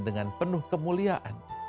dengan penuh kemuliaan